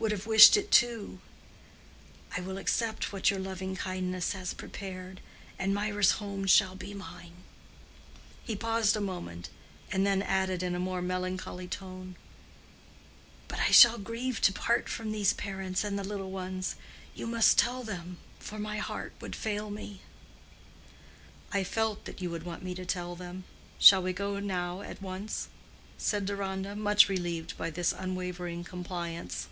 —would have wished it too. I will accept what your loving kindness has prepared, and Mirah's home shall be mine." He paused a moment, and then added in a more melancholy tone, "But I shall grieve to part from these parents and the little ones. You must tell them, for my heart would fail me." "I felt that you would want me to tell them. Shall we go now at once?" said Deronda, much relieved by this unwavering compliance.